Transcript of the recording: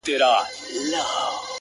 د زړگي شال دي زما پر سر باندي راوغوړوه”